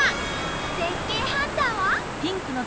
絶景ハンターは。